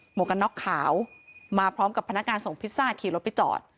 วกกันน็อกขาวมาพร้อมกับพนักงานส่งพิซซ่าขี่รถไปจอด